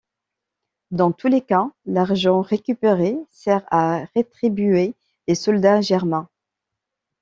Dans tous les cas, l'argent récupéré sert à rétribuer les soldats germains.